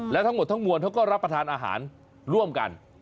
และทั้งหมดทั้งมวลเขาก็รับประทานอาหารร่วมกัน